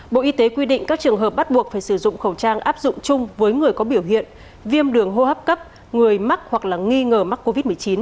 bộ y tế quy định các trường hợp bắt buộc phải sử dụng khẩu trang áp dụng chung với người có biểu hiện viêm đường hô hấp cấp người mắc hoặc là nghi ngờ mắc covid một mươi chín